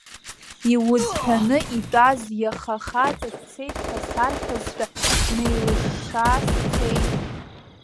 Иузҳәаны итәаз иаха хаҵа дцеит ҳәа сарҳәазшәа снеилышша сцеит.